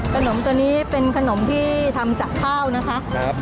ขนมตัวนี้เป็นขนมที่ทำจากข้าวนะคะ